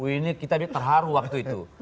ini kita terharu waktu itu